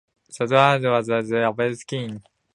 Saturn was personated by a man dressed as a king.